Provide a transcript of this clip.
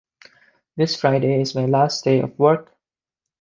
This Friday is my last day of work.